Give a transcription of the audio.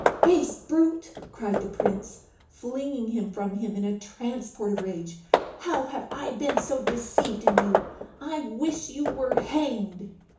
"Base brute!" cried the prince, flinging him from him in a transport of rage. "How have I been so deceived in you? I wish you were hanged!"